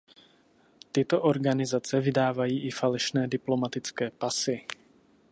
Tyto organizace vydávají i falešné diplomatické pasy.